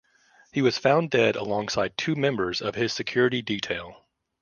He was found dead alongside two members of his security detail.